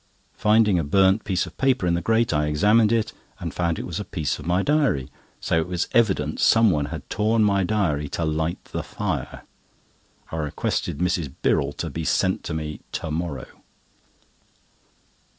Finding a burnt piece of paper in the grate, I examined it, and found it was a piece of my diary. So it was evident some one had torn my diary to light the fire. I requested Mrs. Birrell to be sent to me to morrow.